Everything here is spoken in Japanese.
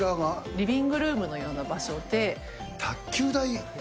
リビングルームのような場所卓球台？